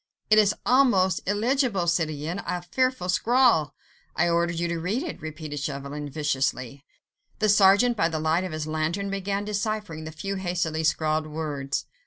"It is almost illegible, citoyen ... a fearful scrawl. ..." "I ordered you to read it," repeated Chauvelin, viciously. The sergeant, by the light of his lantern, began deciphering the few hastily scrawled words.